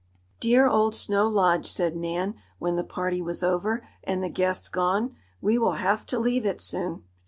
"Dear old Snow Lodge!" said Nan, when the party was over, and the guests gone. "We will have to leave it soon!"